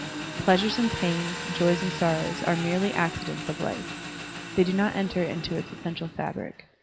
Pleasures and pains, joys and sorrows are merely accidents of life. They do not enter into its essential fabric.